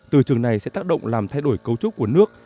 từ trường này sẽ tác động làm thay đổi cấu trúc của nước